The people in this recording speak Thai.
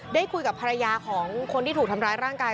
ได้คุยกับภรรยาของคนที่ถูกทำร้ายร่างกาย